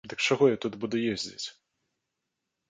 Дык чаго я туды буду ездзіць?